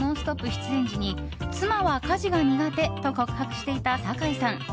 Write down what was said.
出演時に妻は家事が苦手と告白していた坂井さん。